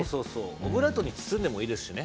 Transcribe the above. オブラートに包んでもいいですしね。